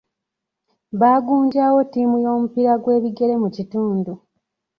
Baagunjaawo ttiimu y'omupiira gw'ebigere mu kitundu.